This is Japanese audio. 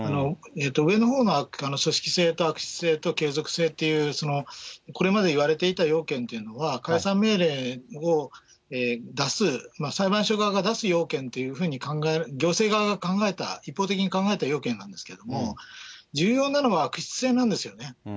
上のほうの組織性と悪質性と継続性っていう、その、これまでいわれていた要件というのは、解散命令を出す、裁判所側が出す要件というふうに、行政側が考えた、一方的に考えた要件なんですけども、重要なのは悪質性なんですよね。